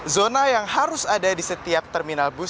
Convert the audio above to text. zona yang harus ada di setiap terminal bus